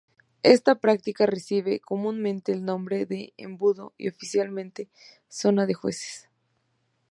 Esta práctica recibe comúnmente el nombre de "embudo" y oficialmente "zona de jueces".